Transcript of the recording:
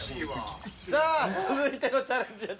さあ続いてのチャレンジは誰。